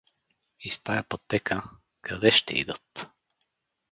— Из тая пътека — къде ще идат?